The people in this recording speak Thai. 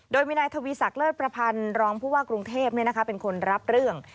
โดยมีนายทวีศักดิเลิศประพันธ์รองผู้ว่ากรุงเทพเป็นคนรับเรื่อง